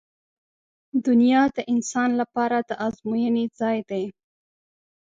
• دنیا د انسان لپاره د ازموینې ځای دی.